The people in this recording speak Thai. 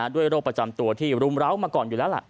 ด้วยโรคประจำตัวที่รุมเลาะมาก่อนอยู่แล้ว